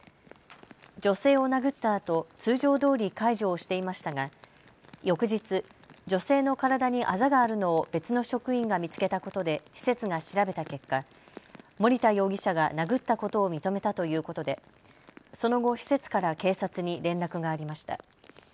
女性を殴ったあと、通常どおり介助をしていましたが翌日、女性の体にあざがあるのを別の職員が見つけたことで施設が調べた結果、森田容疑者が殴ったことを認めたということでその後、施設から警察に連絡がありました。